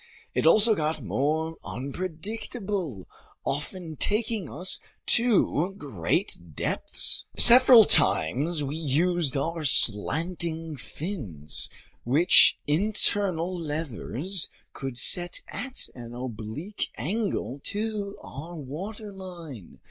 It also got more unpredictable, often taking us to great depths. Several times we used our slanting fins, which internal levers could set at an oblique angle to our waterline.